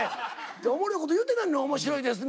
おもろいこと言うてないのに「面白いですね」